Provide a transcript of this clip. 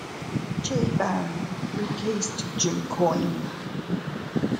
Jay Baron replaced Jim Coyne.